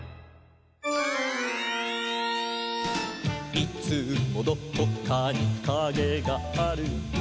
「いつもどこかにカゲがある」